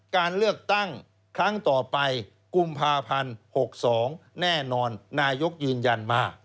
การเลือกตั้งครั้งต่อไปกุมภาพันธ์๖๒แน่นอนนายกยืนยันมา